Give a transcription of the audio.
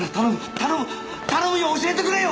頼む頼むよ教えてくれよ！